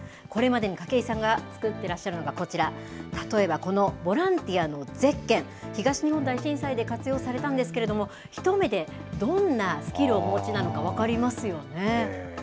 これまでに筧さんが作ってらっしゃるのがこちら、例えば、このボランティアのゼッケン、東日本大震災で活用されたんですけれども、一目でどんなスキルをお持ちなのか、分かりますよね。